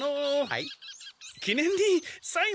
はい？